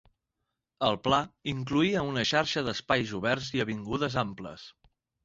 El pla incloïa una xarxa d'espais oberts i avingudes amples.